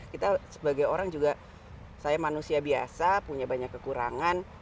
kita sebagai orang juga saya manusia biasa punya banyak kekurangan